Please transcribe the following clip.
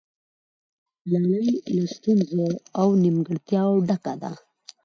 دا لړۍ له ستونزو او نیمګړتیاوو ډکه ده